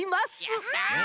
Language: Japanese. やった。